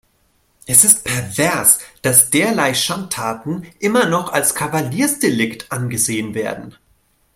Es ist pervers, dass derlei Schandtaten immer noch als Kavaliersdelikt angesehen werden.